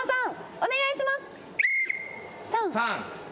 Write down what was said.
お願いします。